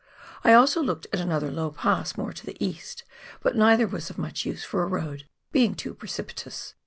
I also looked at another low pass more to the east, but neither was of much use for a road, being too precipitous.